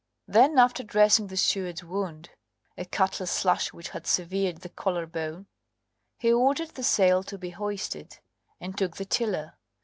Then after dressing the steward's wound a cutlass slash which had severed the collar bone he ordered the sail to be hoisted and took the tiller.